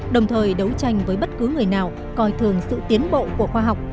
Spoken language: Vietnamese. đồng thời đấu tranh với bất cứ người nào coi thường sự tiến bộ của khoa học